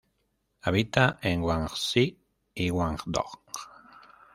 Habita en Guangxi y Guangdong.